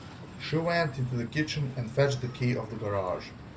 She went into the kitchen and fetched the key of the garage.